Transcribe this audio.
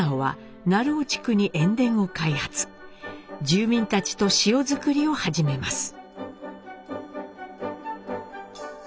住民たちと塩作りを始めます。